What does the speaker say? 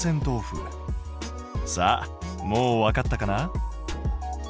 さあもうわかったかな？